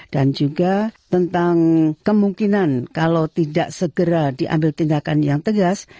dan juga tentang kemungkinan kalau tidak segera diambil tindakan yang tegas